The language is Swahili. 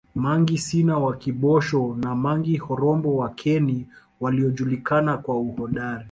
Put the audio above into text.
Mangi Sina wa Kibosho na Mangi Horombo wa Keni waliojulikana kwa uhodari